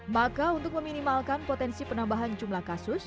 maka untuk meminimalkan potensi penambahan jumlah kasus